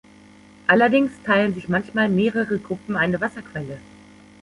Allerdings teilen sich manchmal mehrere Gruppen eine Wasserquelle.